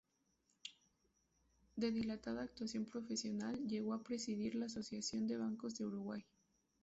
De dilatada actuación profesional, llegó a presidir la Asociación de Bancos del Uruguay.